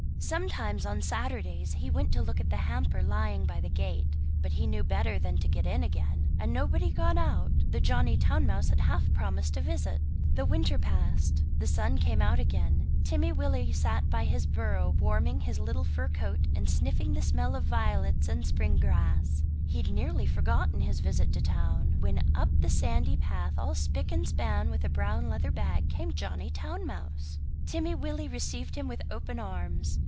Sometimes on Saturdays he went to look at the hamper lying by the gate, but he knew better than to get in again. And nobody got out, though Johnny Town mouse had half promised a visit. The winter passed; the sun came out again; Timmy Willie sat by his burrow warming his little fur coat and sniffing the smell of violets and spring grass. He had nearly forgotten his visit to town. When up the sandy path all spick and span with a brown leather bag came Johnny Town mouse! Timmy Willie received him with open arms.